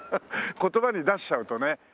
言葉に出しちゃうとね。